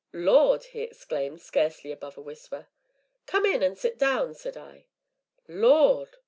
"Lord!" he exclaimed, scarcely above a whisper. "Come in and sit down," said I. "Lord!